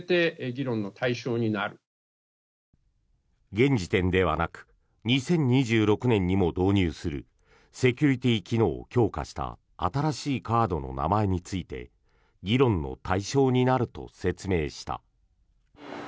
現時点ではなく２０２６年にも導入するセキュリティー機能を強化した新しいカードの名前について議論の対象になると説明した。